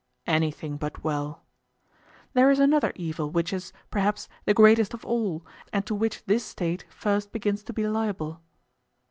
Anything but well. There is another evil which is, perhaps, the greatest of all, and to which this State first begins to be liable.